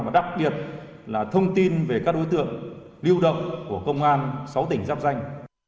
và đặc biệt là thông tin về các đối tượng lưu động của công an sáu tỉnh giáp danh